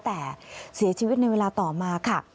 แต่เสียชีวิตในเวลาต่อมาค่ะ